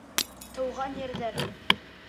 Тыуған ерҙәр!